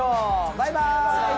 バイバイ！